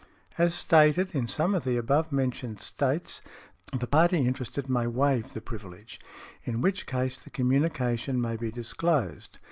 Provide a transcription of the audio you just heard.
As stated, in some of the above mentioned States, the party interested may waive the privilege, in which case the communication may be disclosed .